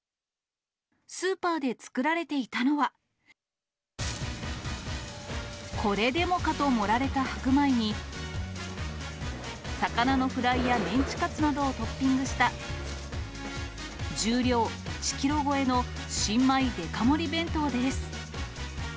スーパーで作られていたのは、これでもかと盛られた白米に、魚のフライやメンチカツなどをトッピングした、重量１キロ超えの新米デカ盛弁当です。